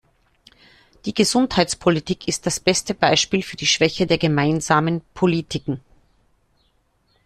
Die Gesundheitspolitik ist das beste Beispiel für die Schwäche der gemeinsamen Politiken.